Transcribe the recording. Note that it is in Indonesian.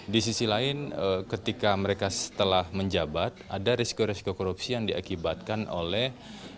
di sisi lain ketika mereka setelah menjabat ada resiko risiko korupsi yang diakibatkan oleh